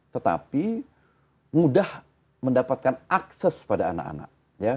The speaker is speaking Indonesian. tetapi mudah mendapatkan akses pada anak anak